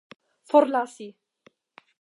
forlasi